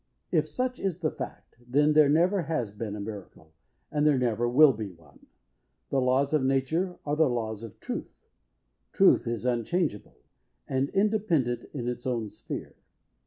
If such is the fact, then, there never has been a miracle, and there never will be one. The laws of nature are the laws of truth. Truth is unchangeable, and independent in its own sphere.